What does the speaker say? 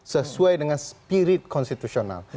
sesuai dengan spirit konstitusional